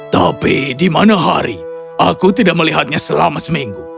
tapi di mana hari aku tidak melihatnya selama seminggu